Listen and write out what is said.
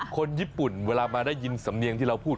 คนญี่ปุ่นเวลามาได้ยินสำเนียงที่เราพูด